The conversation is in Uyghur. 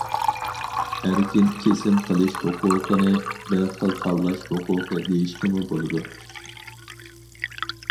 ئەركىن كېسىم قىلىش ھوقۇقىنى بىر خىل تاللاش ھوقۇقى دېيىشكىمۇ بولىدۇ.